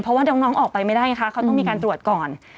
เพราะว่าน้องออกไปไม่ได้ไงคะเขาต้องมีการตรวจก่อน